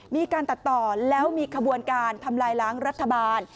มีการตัดต่อแล้วมีขบวนการทำลายล้างรัฐบาล